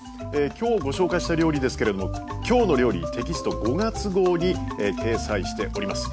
今日ご紹介した料理ですけれども「きょうの料理」テキスト５月号に掲載しております。